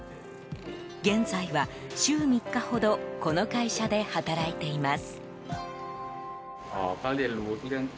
現在は、週３日ほどこの会社で働いています。